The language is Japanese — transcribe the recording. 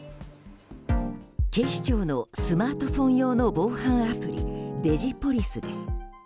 警視庁のスマートフォン用の防犯アプリ、デジポリスです。